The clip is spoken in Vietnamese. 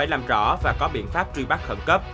làm rõ và có biện pháp truy bắt khẩn cấp